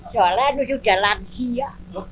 soalnya ini sudah lansia